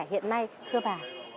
hiện nay thưa bà